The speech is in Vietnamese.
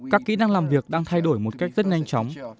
các kỹ năng làm việc đang thay đổi một cách rất nhanh chóng